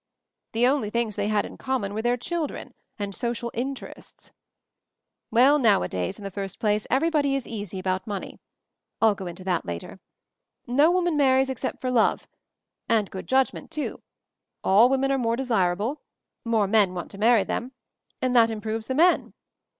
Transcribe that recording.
The only things they had in com mon were their children and 'social interests.' "Well — nowadays, in the first place every body is easy about money. ( I'll go into that later.) No woman marries except for love — and good judgment, too; all women are more desirable — more men want to marry them — and that improves the men